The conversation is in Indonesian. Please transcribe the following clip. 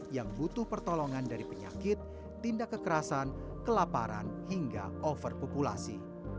yang butuh pertolongan dari penyakit tindak kekerasan kelaparan hingga overpopulasi